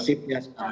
kita yang menjaga